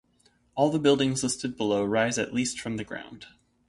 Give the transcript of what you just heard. All the buildings listed below rise at least from the ground.